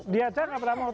diajak apa diajak apa